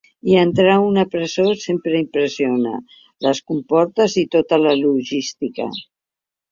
I entrar a una presó sempre impressiona: les comportes i tota la logística.